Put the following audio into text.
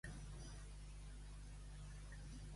No volen un valencià impostat, regulat ortogràficament.